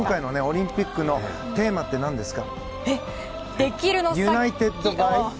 今回オリンピックのテーマ何ですか？